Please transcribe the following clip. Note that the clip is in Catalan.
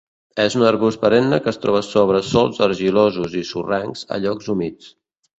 És un arbust perenne que es troba sobre sòls argilosos i sorrencs a llocs humits.